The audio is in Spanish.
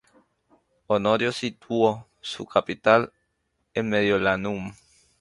Honorio situó su capital en Mediolanum.